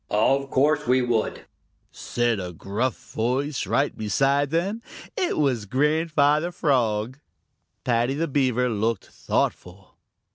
"Of course we would," said a gruff voice right beside them. It was Grandfather Frog. Paddy the Beaver looked thoughtful.